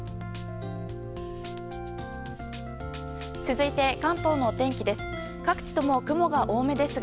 続いて関東の天気です。